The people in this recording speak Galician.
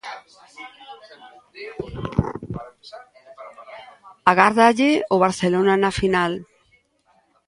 Agárdalle o Barcelona na final.